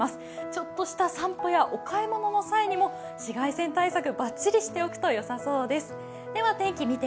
ちょっとした散歩やお買い物の際にも紫外線対策、バッチリしておくとよさそうです。